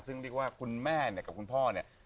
ซึ่งคุณแม่กับคุณพ่อเนี่ย